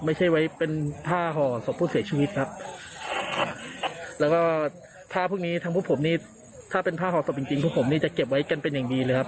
ไม่ใช่ไว้เป็นผ้าห่อศพผู้เสียชีวิตครับแล้วก็ผ้าพวกนี้ทั้งพวกผมนี่ถ้าเป็นผ้าห่อศพจริงจริงพวกผมนี่จะเก็บไว้กันเป็นอย่างดีเลยครับ